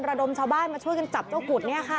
ระดมชาวบ้านมาช่วยกันจับเจ้ากุฎเนี่ยค่ะ